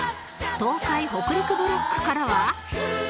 東海北陸ブロックからは